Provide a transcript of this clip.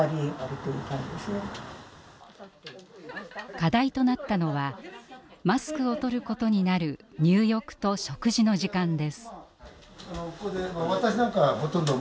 課題となったのはマスクをとることになる入浴と食事の時間です。